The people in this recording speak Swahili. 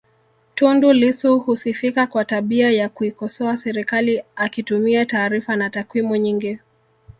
Tundu Lissu husifika kwa tabia ya kuikosoa serikali akitumia taarifa na takwimu nyingi